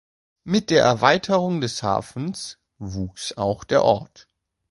Mit der Erweiterung des Hafens wuchs auch der Ort.